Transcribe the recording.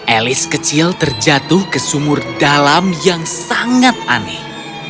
elis kecil terjatuh ke sumur dalam yang sangat aneh